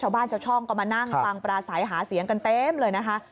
ชาวบ้านชาวช่องก็มานั่งฟังปราศัยหาเสียงกันเต็มเลยนะคะ